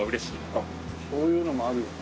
あっそういうのもあるよね。